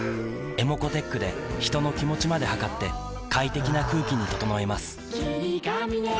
ｅｍｏｃｏーｔｅｃｈで人の気持ちまで測って快適な空気に整えます